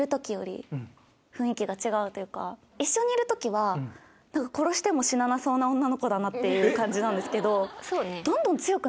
一緒にいる時は殺しても死ななそうな女の子だなっていう感じなんですけど。